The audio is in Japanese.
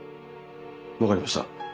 分かりました。